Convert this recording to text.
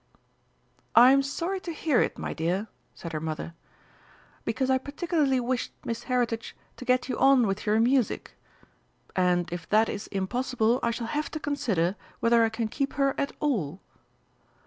"I'm sorry to hear it, my dear," said her Mother, "because I particularly wished Miss Heritage to get you on with your music; and, if that is impossible, I shall have to consider whether I can keep her at all."